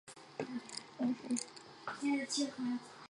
成熟雄鱼的臀鳍末端游离呈条状。